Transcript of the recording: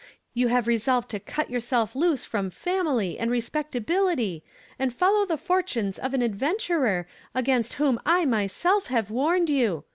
i on have resolved to cut your self loose fron) family and respectability, and follow til.! fortunes of an adventurer against whom vself have warned you.